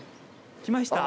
来ました？